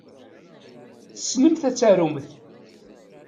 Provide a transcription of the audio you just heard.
Tessnemt ad tarumt.